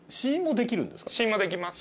試飲もできます。